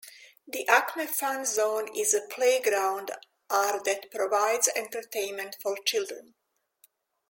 The Acme Fun Zone is a playground are that provides entertainment for children.